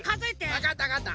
わかったわかった。